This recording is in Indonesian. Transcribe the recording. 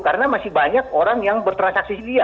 karena masih banyak orang yang bertransaksi dia